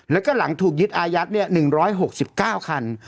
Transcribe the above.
แล้วก็หลังถูกยึดอายัด๑๖๙คัน